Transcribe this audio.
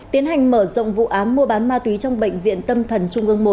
tiến hành mở rộng vụ án mua bán ma túy trong bệnh viện tâm thần trung ương một